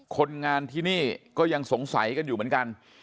คนงานที่นี่ก็ยังสงสัยกันอยู่เหมือนกัน